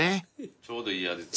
ちょうどいい味付け。